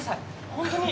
本当に。